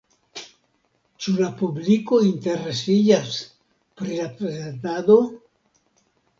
Ĉu la publiko interesiĝas pri la prezentado?